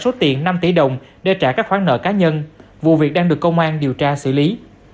số tiền năm tỷ đồng để trả các khoản nợ cá nhân vụ việc đang được công an điều tra xử lý